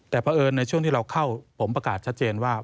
แต่เพราะเอิญในช่วงที่เราเข้าผมประกาศชัดเจนว่า